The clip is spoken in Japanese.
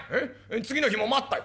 次の日も待ったよ。